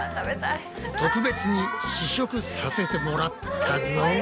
特別に試食させてもらったぞ。